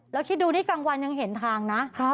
แล้วคิดดูนี่กลางวันยังเห็นทางนะ